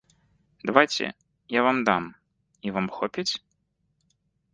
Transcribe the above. Давайце, я вам дам, і вам хопіць?